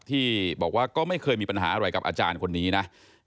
ที่บอกว่าก็ไม่เคยมีปัญหาอะไรกับอาจารย์คนนี้นะ